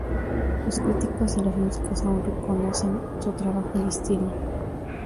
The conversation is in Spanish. Los críticos y los músicos aún reconocen su trabajo y estilo.